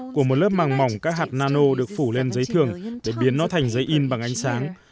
của một lớp màng mỏng các hạt nano được phủ lên giấy thường để biến nó thành giấy in bằng ánh sáng